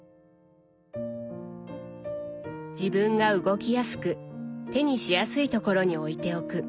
自分が動きやすく手にしやすいところに置いておく。